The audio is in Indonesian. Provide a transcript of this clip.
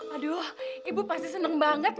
aduh ibu pasti senang banget